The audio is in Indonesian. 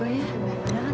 oh ya tuhan